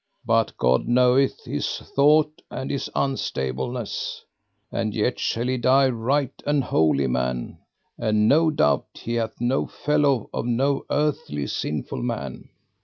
But God knoweth his thought and his unstableness, and yet shall he die right an holy man, and no doubt he hath no fellow of no earthly sinful man.